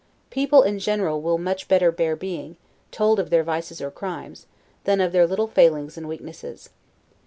People in general will much better bear being, told of their vices or crimes, than of their little failings and weaknesses.